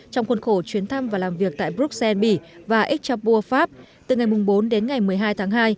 trong khuôn khổ chuyến thăm và làm việc tại bruxelles bỉ và aix sur provence từ ngày bốn đến ngày một mươi hai tháng hai